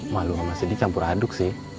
malu sama sedih campur aduk sih